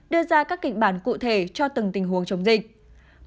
đưa ra các kịch bản cụ thể cho từng tình huống chống dịch